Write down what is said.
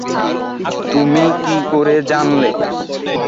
তুমি কি করে জানলে?